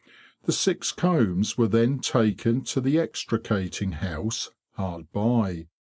The six combs were then taken to the extricating house hard by.